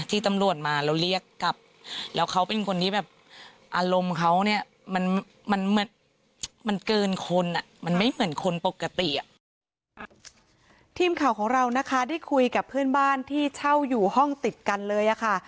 ทีมข่าวของเรานะคะได้คุยกับเพื่อนบ้านที่เช่าอยู่ห้องติดกันเลยค่ะ